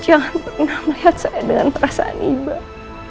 jangan pernah melihat saya dengan perasaan iba